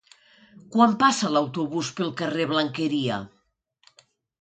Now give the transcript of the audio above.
Quan passa l'autobús pel carrer Blanqueria?